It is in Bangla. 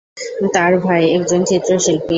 তার ভাই একজন চিত্রশিল্পী।